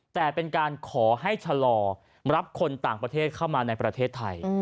แต่เป็นการขอให้ชะลอรับคนต่างประเทศเข้ามาในประเทศไทย